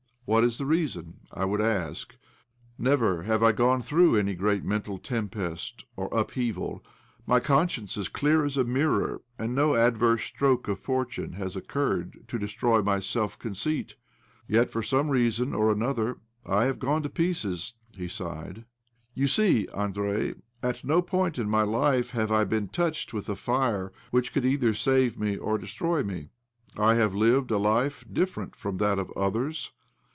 What is the reason, I would ask? Never have I gone through any great mental tempest or upheaval, m'y conscience is as clear as a mirror, and. до 157 158 OBLOMOV adverse stroke of fortune has occurred to destroy my self conceit. Yet for some reason or another I have gone to pieces." He sighed. " You see, Andrei, at no point in my life have I been touched with a fire I which could either save me or destroy me. I have lived a life different from' that of others.